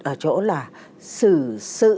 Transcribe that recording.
ở chỗ là sử sự